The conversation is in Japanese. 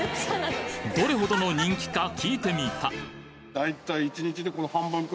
どれほどの人気か聞いてみた大体。